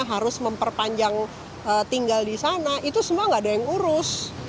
harus memperpanjang tinggal di sana itu semua nggak ada yang urus